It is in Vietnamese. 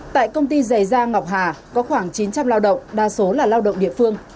tại công ty giày da ngọc hà có khoảng chín trăm linh lao động đa số là lao động địa phương